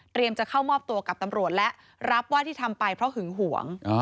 จะเข้ามอบตัวกับตำรวจและรับว่าที่ทำไปเพราะหึงหวง